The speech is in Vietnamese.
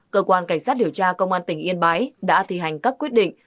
cơ quan cảnh sát điều tra công an tỉnh yên bái đã thi hành các quyết định